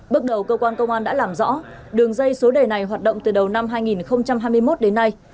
bước đầu cơ quan công an đã làm rõ đường dây số đề này hoạt động từ đầu năm hai nghìn hai mươi một đến nay